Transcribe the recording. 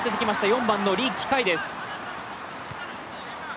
４番のリ・キカイです。